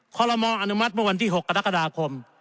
คอลโลมออนุมัติเมื่อวันที่๖กรกฎาคม